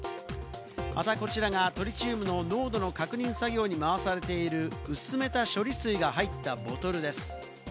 またこちらがトリチウムの濃度の確認作業に回されている薄めた処理水が入ったボトルです。